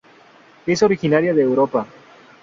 Es originaria de Europa.